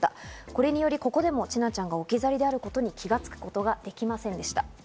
これによりここでも千奈ちゃんが置き去りであることに気が付くことができませんでした。